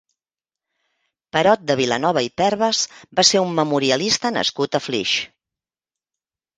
Perot de Vilanova i Perves va ser un memorialista nascut a Flix.